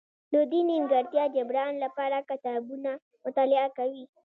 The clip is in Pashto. د دې نیمګړتیا جبران لپاره کتابونه مطالعه کوي.